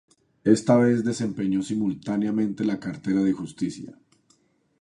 Esta vez desempeñó simultáneamente la cartera de Justicia.